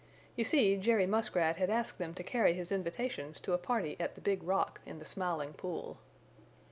You see, Jerry Muskrat had asked them to carry his invitations to a party at the Big Rock in the Smiling Pool.